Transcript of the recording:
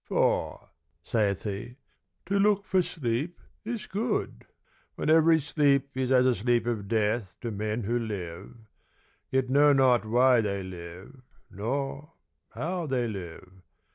"For," sayeth he, "to look for sleep is good When every sleep is as a sleep of death To men who live, yet know not why they live, Nor how they live!